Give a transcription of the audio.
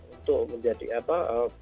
untuk menjadi apa